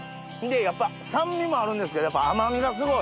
やっぱ酸味もあるんですけど甘みがすごい。